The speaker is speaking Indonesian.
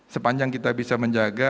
sepanjang kita bisa menjaga